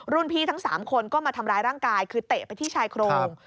พี่ทั้ง๓คนก็มาทำร้ายร่างกายคือเตะไปที่ชายโครง